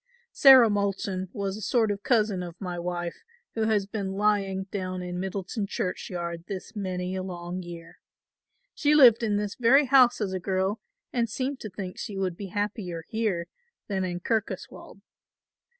Sarah Moulton was a sort of cousin of my wife who has been lying down in Middleton churchyard this many a long year. She lived in this very house as a girl and seemed to think she would be happier here than in Kirkoswald.